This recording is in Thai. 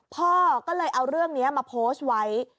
พ่อก็เลยเอาเรื่องนี้มาโพสต์ไว้